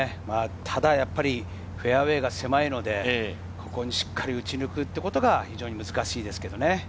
ただやっぱりフェアウエーが狭いのでそこにしっかり打ち抜くことが非常に難しいですけれどね。